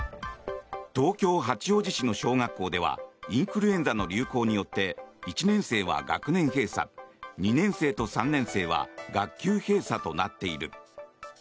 東京・八王子市の小学校ではインフルエンザの流行によって１年生は学年閉鎖２年生と３年生は学級閉鎖となっている。